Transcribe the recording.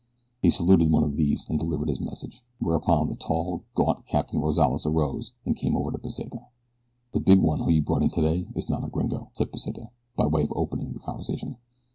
He saluted one of these and delivered his message, whereupon the tall, gaunt Captain Rozales arose and came over to Pesita. "The big one who was brought in today is not a gringo," said Pesita, by way of opening the conversation.